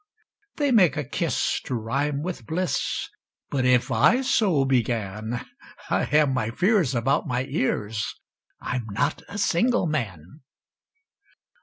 They make a kiss to rhyme with bliss, But if I so began, I have my fears about my ears I'm not a single man.